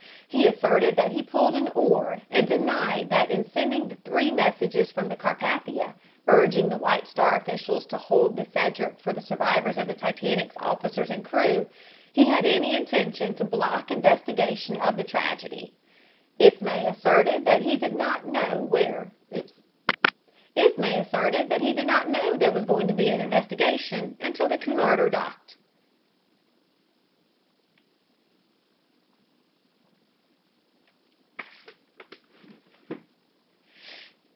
He asserted that he pulled an oar and denied that in sending the three messages from the Carpathia, urging the White Star officials to hold the Cedric for the survivors of the Titanic's officers and crew, he had any intention to block investigation of the tragedy. Ismay asserted that he did not know there was to be an investigation until the Cunarder docked.